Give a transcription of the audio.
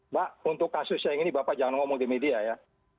mbak untuk kasusnya ini bapak jangan ngomong di media ya